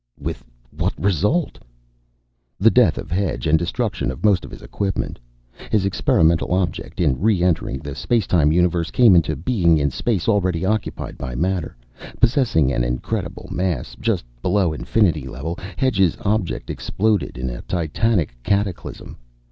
"With what result?" "The death of Hedge and destruction of most of his equipment. His experimental object, in re entering the space time universe, came into being in space already occupied by matter. Possessing an incredible mass, just below infinity level, Hedge's object exploded in a titanic cataclysm.